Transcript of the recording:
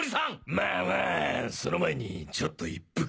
まあまあその前にちょっと一服。